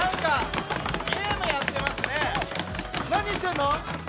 何してるの？